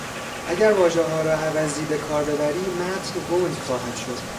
اگر واژهها را عوضی بکار ببری متن گنگ خواهد شد.